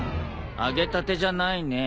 揚げたてじゃないね。